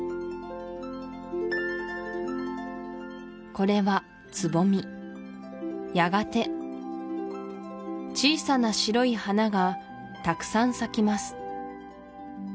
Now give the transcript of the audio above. これはつぼみやがて小さな白い花がたくさん咲きます